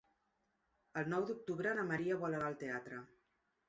El nou d'octubre na Maria vol anar al teatre.